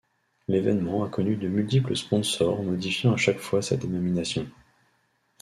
L'événement a connu de multiples sponsors modifiant à chaque fois sa dénomination.